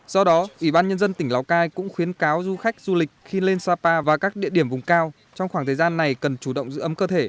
do đó ủy ban nhân dân tỉnh lào cai cũng khuyến cáo du khách du lịch khi lên sapa và các địa điểm vùng cao trong khoảng thời gian này cần chủ động giữ ấm cơ thể